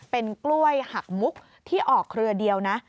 เป็นกล้วยหักมุกที่ออกเครือเดียวนะ